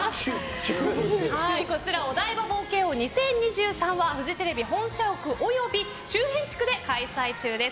こちらお台場冒険王２０２３はフジテレビ本社屋及び周辺地区で開催中です。